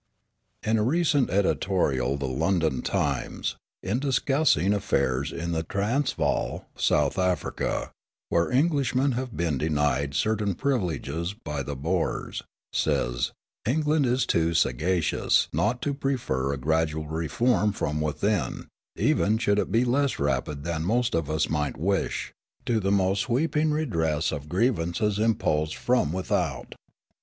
In a recent editorial the London Times, in discussing affairs in the Transvaal, South Africa, where Englishmen have been denied certain privileges by the Boers, says: "England is too sagacious not to prefer a gradual reform from within, even should it be less rapid than most of us might wish, to the most sweeping redress of grievances imposed from without.